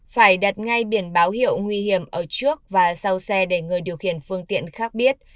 phải đặt ngay biển báo hiệu nguy hiểm ở trước và sau xe để người điều khiển phương tiện khác biết